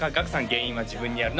原因は自分にある。